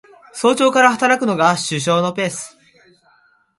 早朝から働くのが首相のペース